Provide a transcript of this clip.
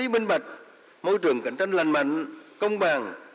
minh bạch môi trường cạnh tranh lành mạnh công bằng